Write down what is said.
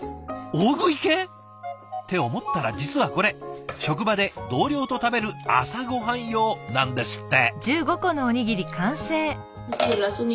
大食い系？って思ったら実はこれ職場で同僚と食べる朝ごはん用なんですって。